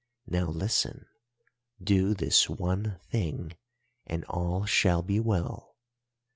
Now listen—do this one thing and all shall be well.